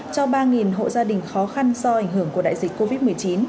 cho ba hộ gia đình khó khăn do ảnh hưởng của đại dịch covid một mươi chín